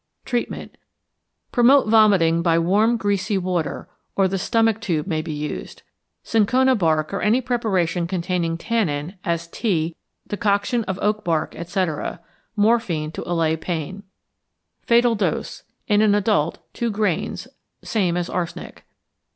Treatment. Promote vomiting by warm greasy water, or the stomach tube may be used. Cinchona bark or any preparation containing tannin, as tea, decoction of oak bark, etc. Morphine to allay pain. Fatal Dose. In an adult 2 grains (same as arsenic).